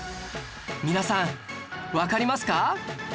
皆さんわかりますか？